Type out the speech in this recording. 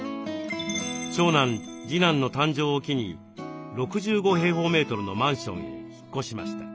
長男次男の誕生を機に６５のマンションへ引っ越しました。